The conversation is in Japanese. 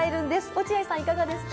落合さん、いかがですか？